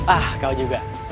ah kau juga